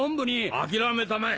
諦めたまえ。